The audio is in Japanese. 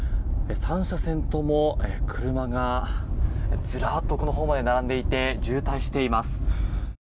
３車線とも車がずらっと奥のほうまで並んでいて渋滞しています。